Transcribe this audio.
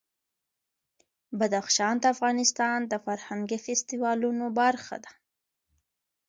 بدخشان د افغانستان د فرهنګي فستیوالونو برخه ده.